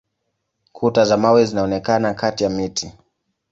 Kuta za mawe zinaonekana kati ya miti.